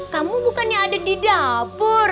kamu bukannya ada di dapur